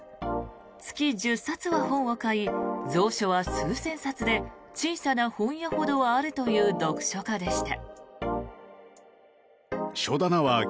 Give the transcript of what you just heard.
月１０冊は本を買い蔵書は数千冊で小さな本屋ほどはあるという読書家でした。